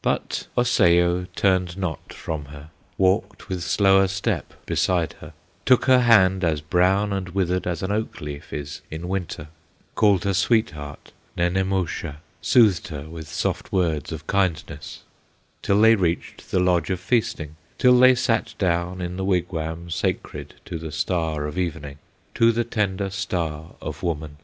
"But Osseo turned not from her, Walked with slower step beside her, Took her hand, as brown and withered As an oak leaf is in Winter, Called her sweetheart, Nenemoosha, Soothed her with soft words of kindness, Till they reached the lodge of feasting, Till they sat down in the wigwam, Sacred to the Star of Evening, To the tender Star of Woman.